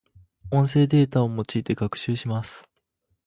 音声データを用いて学習します。